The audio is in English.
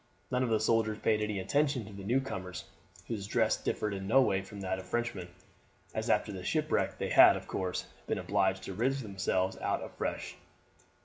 None of the soldiers paid any attention to the newcomers, whose dress differed in no way from that of Frenchmen, as after the shipwreck they had, of course, been obliged to rig themselves out afresh.